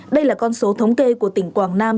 đây là con số thống kê của tỉnh quảng nam